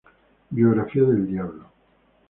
Biografía del Diablo".